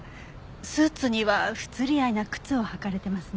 スーツには不釣り合いな靴を履かれていますね。